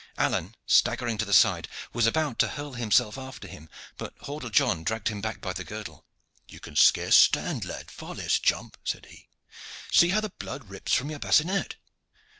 Alleyne, staggering to the side, was about to hurl himself after him, but Hordle John dragged him back by the girdle. "You can scarce stand, lad, far less jump," said he. "See how the blood rips from your bassinet."